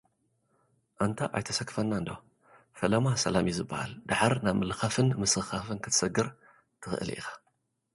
ኣንታ ኣይተሰክፈና እንዶ፣ ፈለማ ሰላም’ዩ ዝበሃል ደሓር ናብ ምልኻፍን ምስኽኻፍን ክትሰግር ትኽእል ኢኻ።